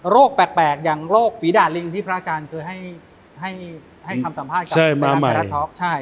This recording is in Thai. โรคแปลกอย่างโรคฝีด่าลิงที่พระอาจารย์เคยให้คำสัมภาษณ์กับพระอาทิตย์ท็อกซ์